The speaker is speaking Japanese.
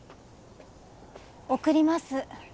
送ります。